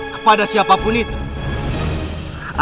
kepada siapapun itu